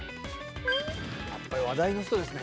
やっぱり話題の人ですね！